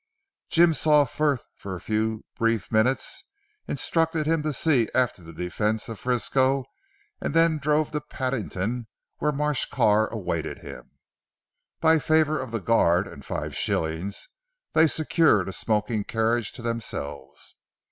Jim saw Frith for a brief few minutes, instructed him to see after the defence of Frisco, and then drove to Paddington where Marsh Carr awaited him. By favour of the guard and five shillings they secured a smoking carriage to themselves.